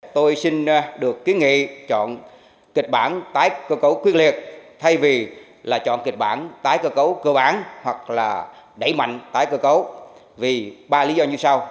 tôi xin được kiến nghị chọn kịch bản tái cơ cấu quyết liệt thay vì là chọn kịch bản tái cơ cấu cơ bản hoặc là đẩy mạnh tái cơ cấu vì ba lý do như sau